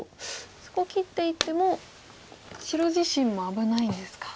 そこ切っていっても白自身も危ないんですか。